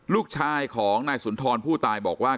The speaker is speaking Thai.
ลูกชายของนายสุนทรผู้ตายบอกว่า